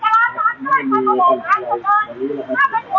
เจ้าตายแล้ว